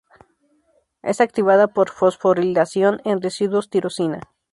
Es activada por fosforilación en residuos tirosina.